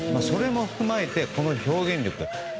それも踏まえて、この表現力。